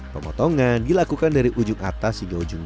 pemotongan dilakukan dari ujung ujung tahu yang sudah diangkat dari api api